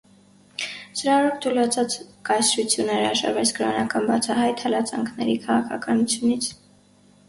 Սրա օրոք թուլացած կայսրությունը հրաժարվեց կրոնական բացահայտ հալածանքների քաղաքականությունից։